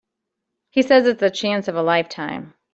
He says it's the chance of a lifetime.